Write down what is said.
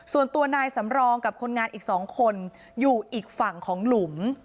ส่วนตัวนายสำรองกับคนงานอีก๒คนอยู่อีกฝั่งของหลุม